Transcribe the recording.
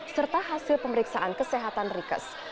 serta hasil pemeriksaan kesehatan rikes